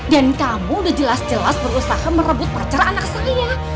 dan kamu udah jelas jelas berusaha merebut percera anak saya